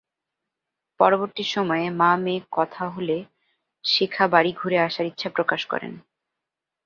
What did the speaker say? পরবর্তী সময়ে মা-মেয়ের কথা হলে শিখা বাড়ি ঘুরে আসার ইচ্ছা প্রকাশ করেন।